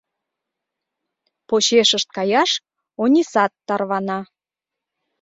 Почешышт каяш Онисат тарвана.